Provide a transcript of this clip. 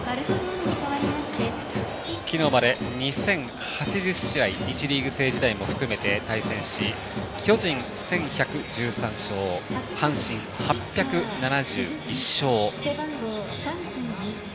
昨日まで２０８０試合１リーグ制時代も含めて対戦し巨人、１１１３勝阪神、８７１勝。